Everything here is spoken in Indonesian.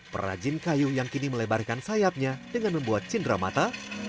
perajin kayu yang kini melebarkan sayapnya dengan membuat cindera mata